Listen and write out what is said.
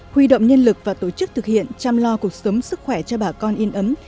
huy động nhân lực và tổ chức thực hiện chăm lo cuộc sống sức khỏe cho bà con yên ấm